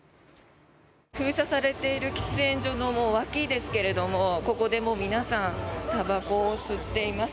封鎖されている喫煙所の脇ですけどもここで皆さんたばこを吸っています。